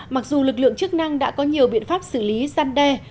mặc dù lực lượng chức năng đã có nhiều biện pháp xử lý gian đe